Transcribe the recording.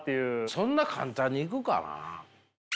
そんな簡単にいくかな。